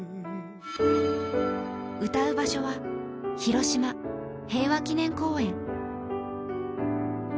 歌う場所は広島平和記念公園。